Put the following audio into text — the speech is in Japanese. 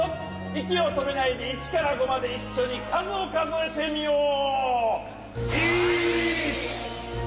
いきをとめないで１から５までいっしょにかずをかぞえてみよう。